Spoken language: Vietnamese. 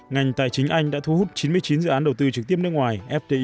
ngành tài chính anh đã thu hút chín mươi chín dự án đầu tư trực tiếp nước ngoài fdi